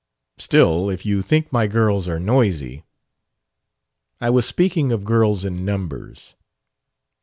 "Still, if you think my girls are noisy...." "I was speaking of girls in numbers."